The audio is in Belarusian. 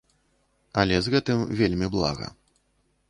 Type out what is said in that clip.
Але з гэтым вельмі блага.